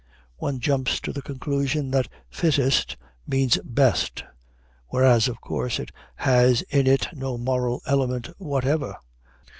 One jumps to the conclusion that fittest means best; whereas, of course, it has in it no moral element whatever.